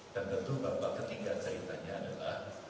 dan tentu bahwa ketiga ceritanya adalah